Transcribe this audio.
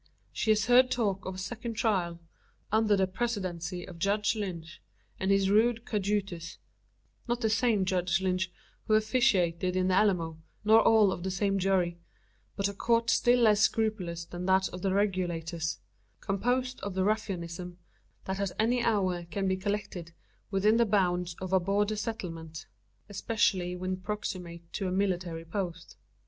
She has heard talk of a second trial, under the presidency of Judge Lynch and his rude coadjutors not the same Judge Lynch who officiated in the Alamo, nor all of the same jury; but a court still less scrupulous than that of the Regulators; composed of the ruffianism, that at any hour can be collected within the bounds of a border settlement especially when proximate to a military post.